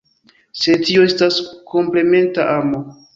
Sed tio estas komplementa amo.